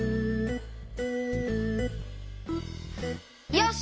よし！